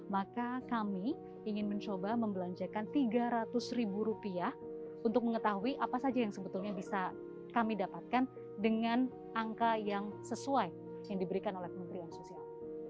maka kami ingin mencoba membelanjakan rp tiga ratus ribu rupiah untuk mengetahui apa saja yang sebetulnya bisa kami dapatkan dengan angka yang sesuai yang diberikan oleh kementerian sosial